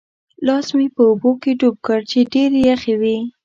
لاس مې په اوبو کې ډوب کړ چې ډېرې یخې وې.